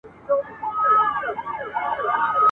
ته د ژوند له تنهایی څخه ډارېږې ..